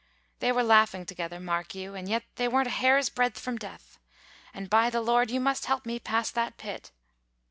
They were laughing together, mark you, and yet they weren't a hair's breadth from death. And, by the Lord, you must help me past that pit!"